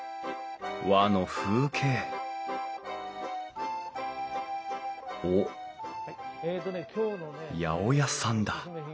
和の風景おっ八百屋さんだ